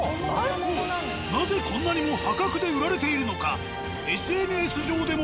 ［なぜこんなにも破格で売られているのか］